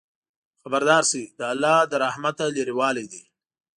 خبردار شئ! د الله له رحمته لرېوالی دی.